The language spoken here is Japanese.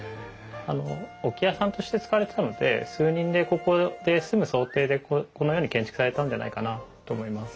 置き屋さんとして使われてたので数人でここで住む想定でこのように建築されたんじゃないかなと思います。